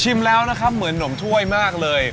แล้วนะครับเหมือนหนมถ้วยมากเลย